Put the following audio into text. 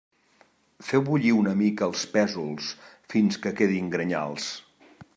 Feu bullir una mica els pèsols fins que quedin grenyals.